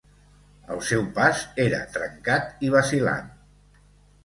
El seu pas era trencat i vacil·lant.